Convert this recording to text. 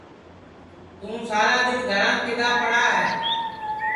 توں سارا دؔن گھرام کِدؔا پڑا ہے